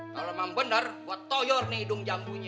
kalo emang bener gue toyor nih hidung jambunya